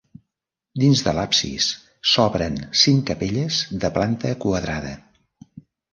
Dins de l'absis s'obren cinc capelles de planta quadrada.